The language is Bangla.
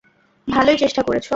ভালোই চেষ্টা করেছ।